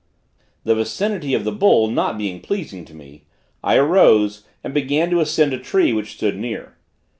The vicinity of the bull not being pleasing to me, I arose and began to ascend a tree which stood near.